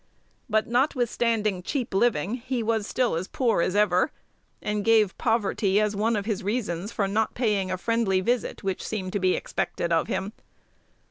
But, notwithstanding cheap living, he was still as poor as ever, and gave "poverty" as one of his reasons for not paying a friendly visit which seemed to be expected of him.